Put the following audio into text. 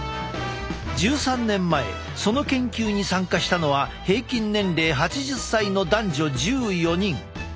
１３年前その研究に参加したのは平均年齢８０歳の男女１４人。